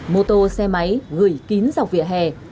mô tô xe máy gửi kín dọc vỉa hè